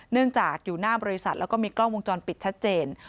เนื่องจากอยู่หน้าบริษัทแล้วก็มีกล้องวงจรปิดชัดเจน